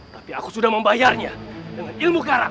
tapi aku sudah membayarnya dengan ilmu kara